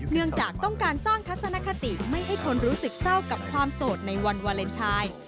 เนื่องจากต้องการสร้างทัศนคติไม่ให้คนรู้สึกเศร้ากับความโสดในวันวาเลนไทย